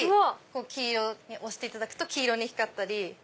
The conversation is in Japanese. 黄色押していただくと黄色に光ったり。